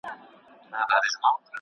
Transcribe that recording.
زه به سبا د نوي لغتونو يادوم!.